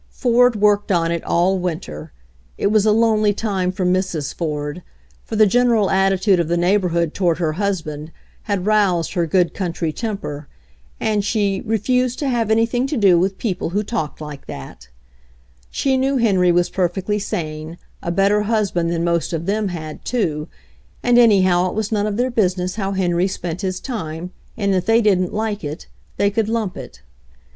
Ford worked on it all winter. It was a lonely time for Mrs. Ford, for the general attitude of the neighborhood toward her husband had roused her good country temper, and she "refused to have anything to do with people who talked like that/' She knew Henry was perfectly sane, a better husband than most of them had, too, and anyhow it was none of their business how Henry spent his time, and if they didn't like, they could lump it.